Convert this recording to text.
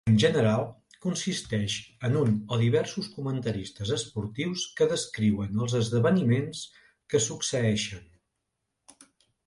En general, consisteix en un o diversos comentaristes esportius que descriuen els esdeveniments que succeeixen.